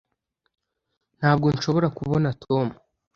ntabwo nshobora kubona tom